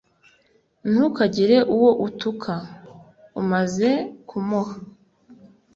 ntukagire uwo utuka, umaze kumuha